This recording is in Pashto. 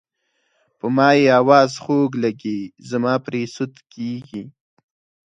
په ما یې اواز خوږ لګي زما پرې سود کیږي.